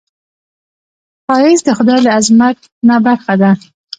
ښایست د خدای له عظمت نه برخه ده